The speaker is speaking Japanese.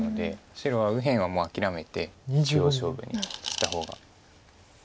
白は右辺はもう諦めて中央勝負にした方が。